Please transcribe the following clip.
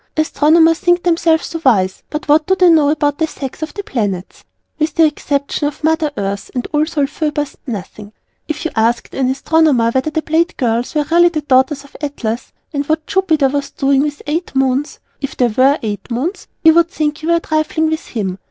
Astronomers think themselves so wise, but what do they know about the sex of the Planets? With the exception of Mother Earth and old Sol Phœbus, nothing! If you asked an Astronomer whether the Pleiad girls were really the daughters of Atlas, or what Jupiter was doing with eight Moons (if they were Moons), he would think you were trifling with him.